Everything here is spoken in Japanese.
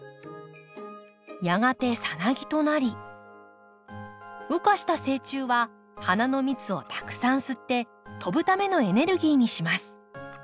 やがてさなぎとなり羽化した成虫は花の蜜をたくさん吸って飛ぶためのエネルギーにします。